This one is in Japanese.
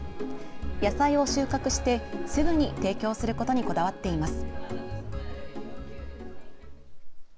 野菜を収穫してすぐに提供することにこだわっています。